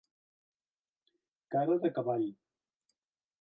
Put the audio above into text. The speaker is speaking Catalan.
Cara de cavall.